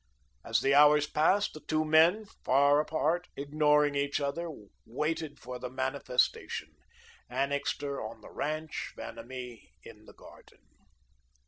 As the hours passed, the two men, far apart, ignoring each other, waited for the Manifestation, Annixter on the ranch, Vanamee in the garden.